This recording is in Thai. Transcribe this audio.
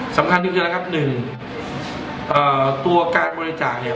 สำคัญนึกคือนะครับหนึ่งอ่าตัวการบริจาคเนี้ย